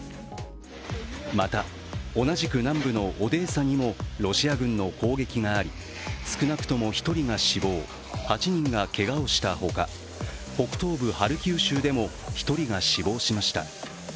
また、同じく南部のオデーサにもロシア軍の攻撃があり少なくとも１人が死亡８人がけがをした他北東部ハルキウ州でも１人が死亡しました。